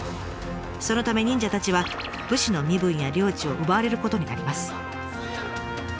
そのため忍者たちは武士の身分や領地を奪われることになります。